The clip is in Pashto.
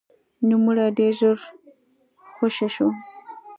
نوموړی ډېر ژر خوشې شو.